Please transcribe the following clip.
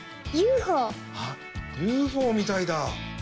あっＵＦＯみたいだ。